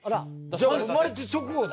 じゃあ生まれた直後だ。